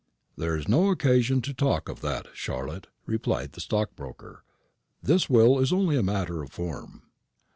"There is no occasion to talk of that, Charlotte," replied the stockbroker. "This will is only a matter of form."